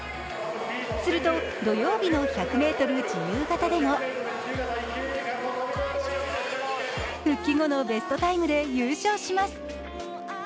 すると土曜日の１００ｍ自由形でも復帰後のベストタイムで優勝します。